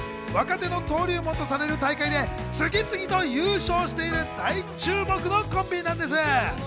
若手の登竜門とされる大会で次々と優勝している大注目のコンビなんです。